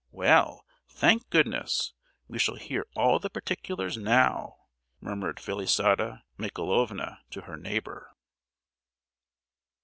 "Well, thank goodness, we shall hear all the particulars now!" murmured Felisata Michaelovna to her neighbour.